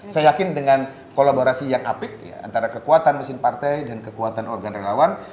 saya yakin dengan kolaborasi yang apik antara kekuatan mesin partai dan kekuatan organ relawan